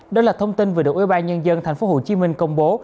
đó là thông tin vừa được ubnd thành phố hồ chí minh công bố